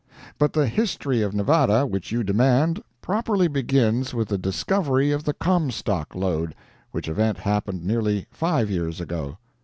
But the "history" of Nevada which you demand, properly begins with the discovery of the Comstock lead, which event happened nearly five years ago.